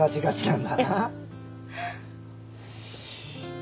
ん？